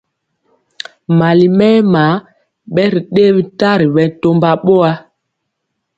Mali mɛma bɛ ri dɛyɛ tari bɛ tɔmba boa.